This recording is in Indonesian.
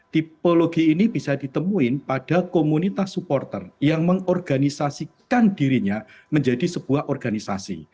tipologi ini bisa ditemuin pada komunitas supporter yang mengorganisasikan dirinya menjadi sebuah organisasi